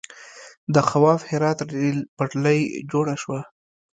د خواف هرات ریل پټلۍ جوړه شوه.